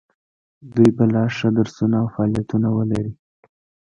دوی به لا ښه درسونه او فعالیتونه ولري.